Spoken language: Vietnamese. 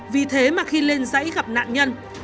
vì thế mà khi lên dãy gặp nạn nhân